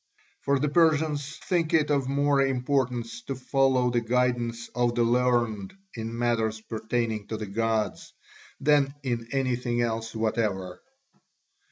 For the Persians think it of more importance to follow the guidance of the learned in matters pertaining to the gods than in anything else whatever.